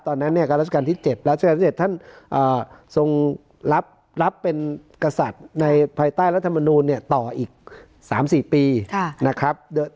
ตอนนั้นเนี่ยก็ราชการที่๗รัชกาลที่๗ท่านทรงรับเป็นกษัตริย์ในภายใต้รัฐมนูลเนี่ยต่ออีก๓๔ปีนะครับ